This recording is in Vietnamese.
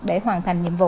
để hoàn thành nhiệm vụ